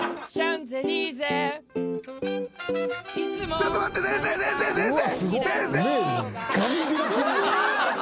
ちょっと待って先生先生。